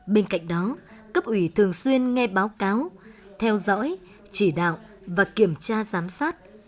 bên cạnh đó cấp ủy thường xuyên nghe báo cáo theo dõi chỉ đạo và kiểm tra giám sát